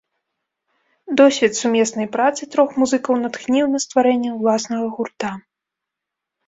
Досвед сумеснай працы трох музыкаў натхніў на стварэнне ўласнага гурта.